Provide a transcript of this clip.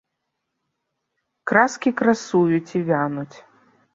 Краскі красуюць і вянуць.